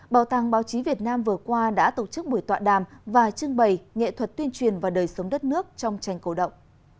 bảo tàng báo chí việt nam vừa qua đã tổ chức buổi tọa đàm và trưng bày nghệ thuật tuyên truyền và đời sống đất nước trong tranh cổ động